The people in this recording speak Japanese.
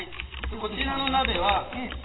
でこちらの鍋は。